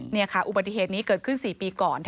นี่ค่ะอุบัติเหตุนี้เกิดขึ้น๔ปีก่อน